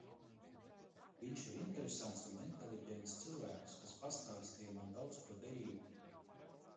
Viņš ir interesants un inteliģents cilvēks, kas pastāstīja man daudz ko derīgu.